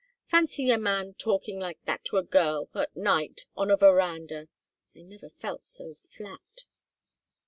Fancy a man talking like that to a girl at night on a veranda! I never felt so flat."